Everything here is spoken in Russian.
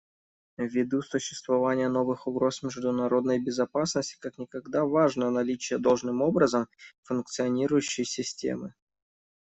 Ввиду существования новых угроз международной безопасности как никогда важно наличие должным образом функционирующей системы.